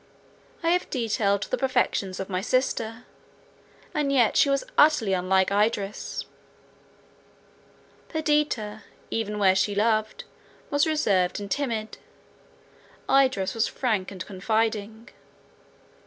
I have detailed the perfections of my sister; and yet she was utterly unlike Idris. Perdita, even where she loved, was reserved and timid; Idris was frank and confiding.